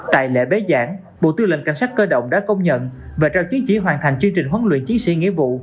tại lễ bế giảng bộ tư lệnh cảnh sát cơ động đã công nhận và trao chứng chỉ hoàn thành chương trình huấn luyện chiến sĩ nghĩa vụ